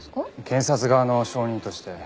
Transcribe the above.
検察側の証人として。